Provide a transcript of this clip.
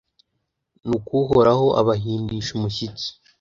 nuko uhoraho abahindisha umushyitsi